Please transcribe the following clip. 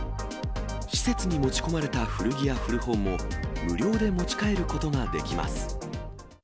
施設に持ち込まれた古着や古本も、無料で持ち帰ることができます。